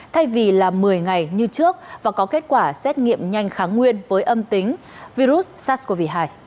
thay vì là một mươi ngày như trước và có kết quả xét nghiệm nhanh kháng nguyên với âm tính virus sars cov hai